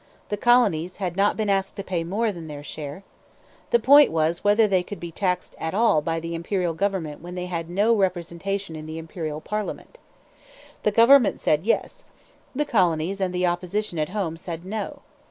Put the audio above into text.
The colonies had not been asked to pay more than their share. The point was whether they could be taxed at all by the Imperial government when they had no representation in the Imperial parliament. The government said Yes. The colonies and the opposition at home said No.